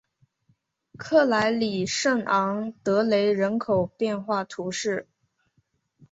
克莱里圣昂德雷人口变化图示